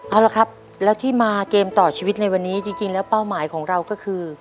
เอาละครับแล้วที่มาเกมต่อชีวิตในวันนี้จริงแล้วเป้าหมายของเราก็คือ